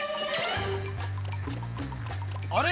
あれ？